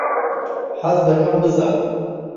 حەز دەکەم بزانم.